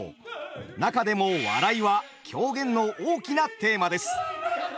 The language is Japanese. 中でも「笑い」は狂言の大きなテーマです。